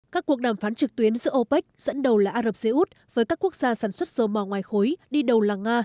các cuộc đàm phán trực tuyến giữa opec dẫn đầu là ả rập xê út với các quốc gia sản xuất dầu mỏ ngoài khối đi đầu là nga